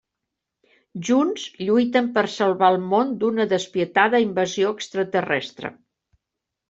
Junts, lluiten per salvar el món d'una despietada invasió extraterrestre.